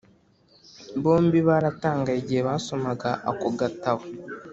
Bombi baratangaye igihe basomaga ako gatabo